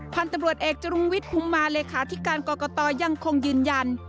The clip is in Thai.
พันธุ์ตำรวจเอกจรุงวิทย์คุมมาเลขาธิการกรกตยังคงยืนยัน